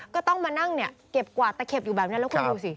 ก็ต้องมานั่งเนี่ยเก็บกวาดตะเข็บอยู่แบบนี้แล้วคุณดูสิ